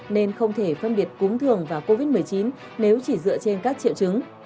nên không thể phân biệt cúng thường và covid một mươi chín nếu chỉ dựa trên các triệu chứng